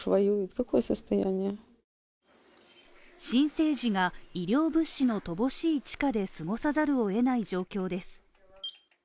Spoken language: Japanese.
新生児が医療物資の乏しい地下で過ごさざるをえない状況です。